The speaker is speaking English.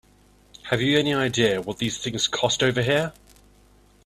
Have you any idea what these things cost over here?